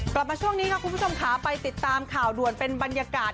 กลับมาช่วงนี้ค่ะคุณผู้ชมค่ะไปติดตามข่าวด่วนเป็นบรรยากาศ